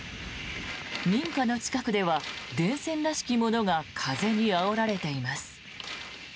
民家の近くでは電線らしきものが風にあおられています。